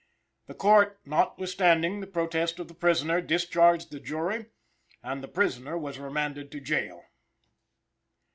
The Court, notwithstanding the protest of the prisoner, discharged the jury, and the prisoner was remanded to jail.